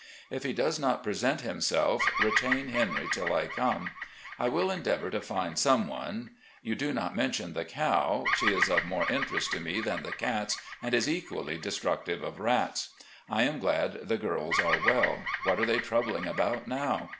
If he does not present himself, retain Henry till I come. I will endeavour to find some one. You do not mention the cow; she is of more interest to me than the cats, and is equally destructive of rats. I am glad the girls are well; what are they troubling about now?